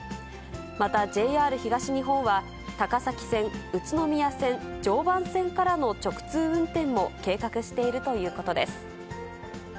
また、ＪＲ東日本は、高崎線、宇都宮線、常磐線からの直通運転も計画しているということです。